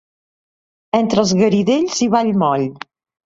Entre els Garidells i Vallmoll.